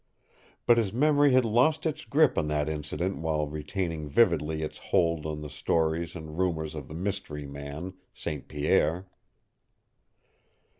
But his memory had lost its grip on that incident while retaining vividly its hold on the stories and rumors of the mystery man, St. Pierre.